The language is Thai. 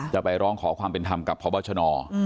จะไปร้องขอความเป็นธรรมกับพบชน